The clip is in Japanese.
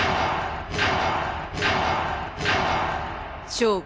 勝負。